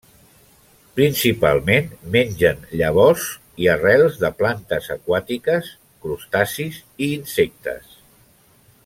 Principalment mengen llavors i arrels de plantes aquàtiques, crustacis i insectes.